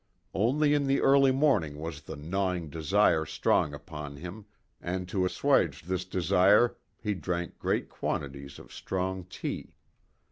Only in the early morning was the gnawing desire strong upon him, and to assuage this desire he drank great quantities of strong tea.